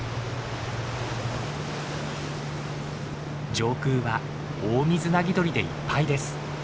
上空はオオミズナギドリでいっぱいです。